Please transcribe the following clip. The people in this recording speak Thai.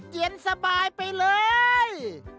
เจียนสบายไปเลย